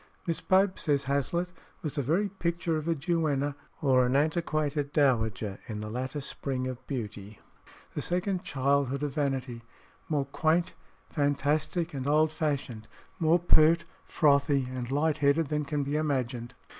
"Miss Pope," says Hazlitt, "was the very picture of a duenna or an antiquated dowager in the latter spring of beauty the second childhood of vanity; more quaint, fantastic, and old fashioned, more pert, frothy, and light headed than can be imagined."